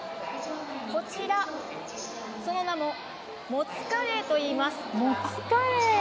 こちら、その名も、もつカレーといいます。